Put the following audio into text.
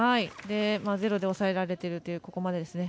ゼロで抑えられているここまでですね。